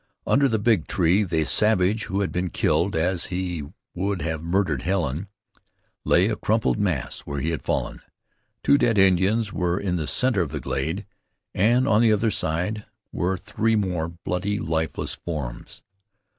Under the big tree the savage who had been killed as he would have murdered Helen, lay a crumpled mass where he had fallen. Two dead Indians were in the center of the glade, and on the other side were three more bloody, lifeless forms.